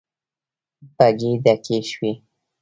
بګۍ ډکې شوې.